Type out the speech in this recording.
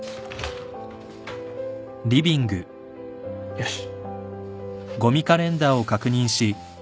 よし。